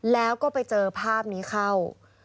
แล้วก็ไปเจอภาพนี้เข้า